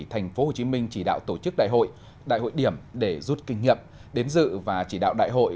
tp hcm chỉ đạo tổ chức đại hội đại hội điểm để rút kinh nghiệm đến dự và chỉ đạo đại hội